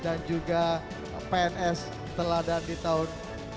dan juga pns teladan di tahun dua ribu sembilan belas